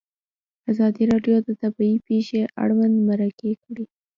ازادي راډیو د طبیعي پېښې اړوند مرکې کړي.